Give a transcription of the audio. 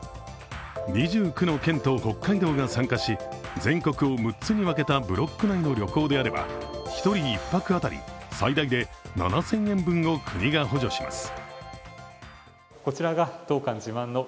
２９の県と北海道が参加し全国を６つに分けたブロック内の旅行であれば１人１泊当たり最大で７０００円分を国が補助します。